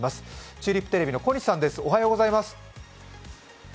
チューリップテレビの小西さんです。